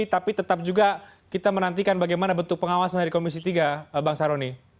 tapi tetap juga kita menantikan bagaimana bentuk pengawasan dari komisi tiga bang saroni